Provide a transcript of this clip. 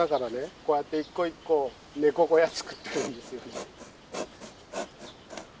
こうやって一個一個ネコ小屋作ってるんですよ。